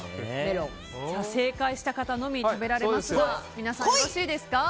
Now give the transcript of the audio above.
正解した方のみ食べられますが皆さんよろしいですか。